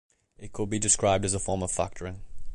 It could be described as a form of factoring.